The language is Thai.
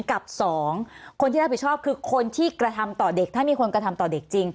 กับสองคนที่รับผิดชอบคือคนที่กระทำต่อเด็กถ้ามีคนกระทำต่อเด็กจริง